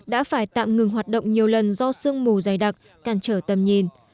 đã phải tạm ngừng hoạt động nhiều lần do sương mù dày đặc cản trở tầm nhìn